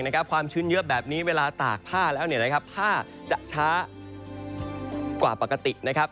เพราะว่าความชื้นเยอะแบบนี้เวลาตากผ้าแล้วเนี่ยนะครับผ้าจะช้ากว่าปกตินะครับ